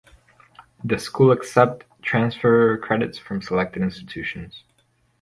The school accepts transfer credits from selected institutions.